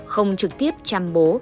không trực tiếp chăm bố